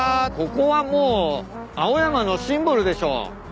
ここはもう青山のシンボルでしょ。